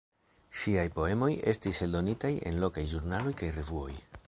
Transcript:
Ŝiaj poemoj estis eldonitaj en lokaj ĵurnaloj kaj revuoj.